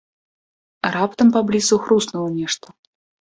Раптам паблізу хруснула нешта.